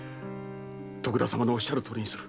徳田様のおっしゃるとおりにする。